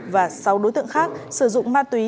và sáu đối tượng khác sử dụng ma túy